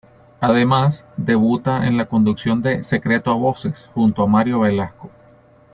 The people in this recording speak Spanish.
Además, debuta en la conducción de "Secreto a voces" junto a Mario Velasco.